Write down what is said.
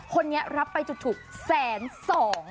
คนนี้รับไปจุกแสนสอง